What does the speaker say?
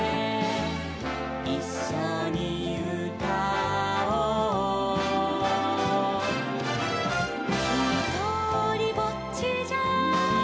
「いっしょにうたおう」「ひとりぼっちじゃ」